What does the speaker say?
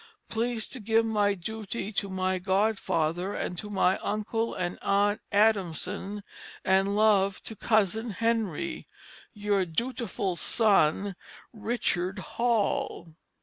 Please to give my Duty to my God father and to my Uncle & Aunt Adamson & love to Cozen Henry, "Your dutifull Son, "RICHARD HALL."